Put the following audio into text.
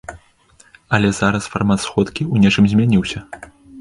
Але зараз фармат сходкі ў нечым змяніўся.